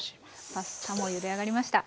パスタもゆで上がりました。